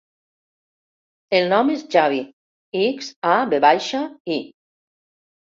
El nom és Xavi: ics, a, ve baixa, i.